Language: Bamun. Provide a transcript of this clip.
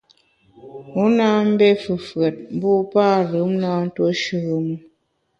Wu na mbé fefùet, mbu parùm na ntuo shùm u.